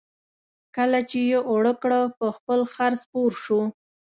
کله چې یې اوړه کړه په خپل خر سپور شو.